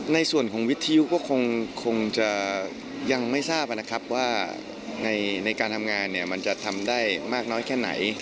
ในส่วนของวิทยุก็คงจะยังไม่ทราบนะครับว่าในการทำงานเนี่ยมันจะทำได้มากน้อยแค่ไหน